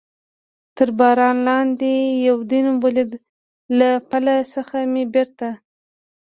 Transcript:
تر باران لاندې یوډین ولید، له پله څخه مې بېرته.